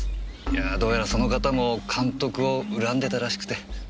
いやどうやらその方も監督を恨んでたらしくて。